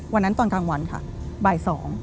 วันนั้นตอนกลางวันค่ะบ่าย๒